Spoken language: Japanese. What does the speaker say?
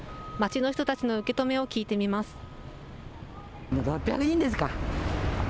街の人たちの受け止めを聞いてみます。